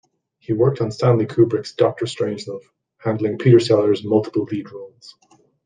He worked on Kubrick's "Doctor Strangelove", handling Peter Sellers' multiple lead roles.